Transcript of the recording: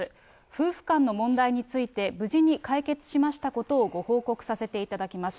夫婦間の問題について、無事に解決しましたことをご報告させていただきます。